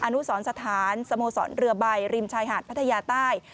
อนุสรสถานสโมสรเรือใบริมชายหาดพัทยาใต้